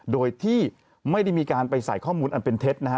โดยที่ไม่ได้มีการไปใส่ข้อมูลอันเป็นเท็จนะฮะ